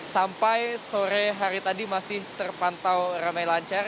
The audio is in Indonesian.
sampai sore hari tadi masih terpantau ramai lancar